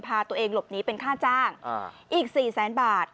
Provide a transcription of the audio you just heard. พาตัวเองหลบหนีเป็นค่าจ้างอีก๔แสนบาท